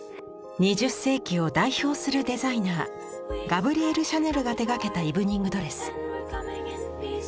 ２０世紀を代表するデザイナーガブリエル・シャネルが手がけたイブニング・ドレス。